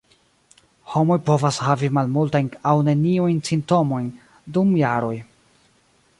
Homoj povas havi malmultajn aŭ neniujn simptomojn dum jaroj.